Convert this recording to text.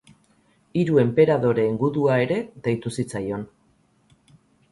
Hiru Enperadoreen Gudua ere deitu zitzaion.